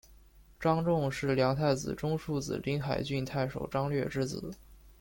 张种是梁太子中庶子临海郡太守张略之子。